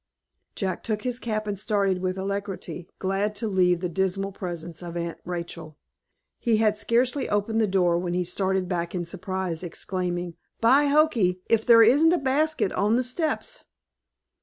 Jack took his cap and started, with alacrity, glad to leave the dismal presence of Aunt Rachel. He had scarcely opened the door when he started back in surprise, exclaiming, "By hokey, if there isn't a basket on the steps!"